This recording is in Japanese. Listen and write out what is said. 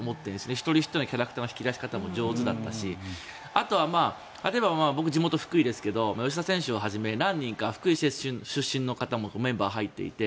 一人ひとりのキャラクターの引き出し方も上手だったし例えば、僕は地元が福井ですけど吉田選手をはじめ、何人か福井出身の選手もメンバーに入っていて。